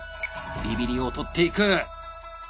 ビビりを取っていく！